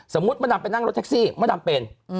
สมมุติมันนำไปนั่งรถแท็กซี่มันนำเป็น